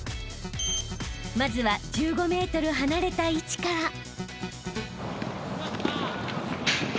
［まずは１５ｍ離れた位置から］